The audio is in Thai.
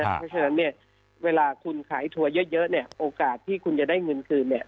เพราะฉะนั้นเนี่ยเวลาคุณขายทัวร์เยอะเนี่ยโอกาสที่คุณจะได้เงินคืนเนี่ย